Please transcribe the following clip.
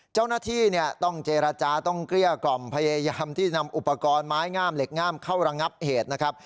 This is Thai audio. เจ้าหน้าที่เนี่ยต้องเจรจาต้องเกลี้ยกล่อมพยายามที่นำอุปกรณ์ไม้งามเหล็กง่ามเข้าระงับเหตุนะครับ